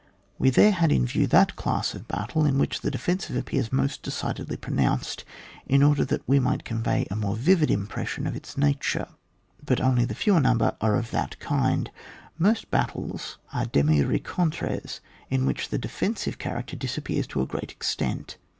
We there had in view that class of battle in which the defensive appears most decidedly pronounced, in order that we might convey a more vivid impression of its nature ;— but only the fewer number are of that kind ; most battles are demu rencontres in which the defensive character disappears to a great extent.